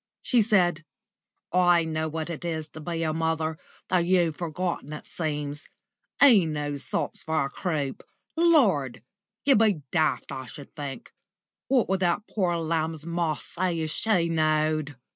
She said: "I know what it is to be a mother, though you've forgotten, it seems. Eno's salts for croup! Lord! You be daft, I should think. What would that poor lamb's ma say if she knowed?"